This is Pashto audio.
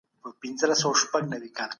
د بشري حقونو تړونونه څنګه منل کیږي؟